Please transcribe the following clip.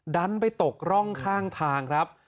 ดันไปตกร่องข้างทางครับ